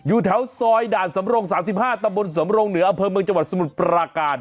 อยู่แถวซอยด่านสำรง๓๕ตะบนสำรงเหนืออำเภอเมืองจังหวัดสมุทรปราการ